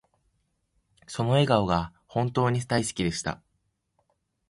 その笑顔が本とに大好きでした